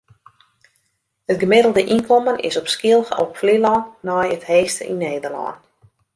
It gemiddelde ynkommen is op Skylge op Flylân nei it heechste yn Nederlân.